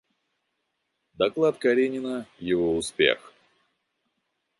Доклад Каренина, его успех.